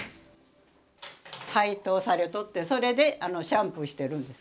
配湯されとってそれでシャンプーしてるんです。